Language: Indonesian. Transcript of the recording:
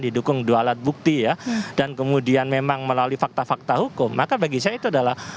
didukung dua alat bukti ya dan kemudian memang melalui fakta fakta hukum maka bagi saya itu adalah